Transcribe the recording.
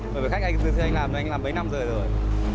bởi vì khách dường theo anh làm anh làm mấy năm rồi